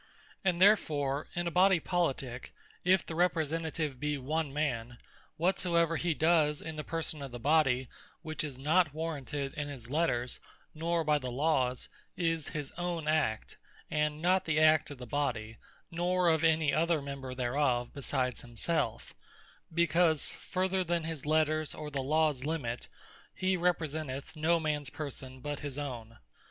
And therefore When The Representative Is One Man, His Unwarranted Acts His Own Onely In a Body Politique, if the Representative be one man, whatsoever he does in the Person of the Body, which is not warranted in his Letters, nor by the Lawes, is his own act, and not the act of the Body, nor of any other Member thereof besides himselfe: Because further than his Letters, or the Lawes limit, he representeth no mans person, but his own.